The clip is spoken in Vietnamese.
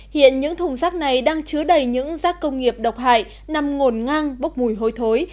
hiện những thùng rác này đang chứa đầy những rác công nghiệp độc hại nằm ngổn ngang bốc mùi hôi thối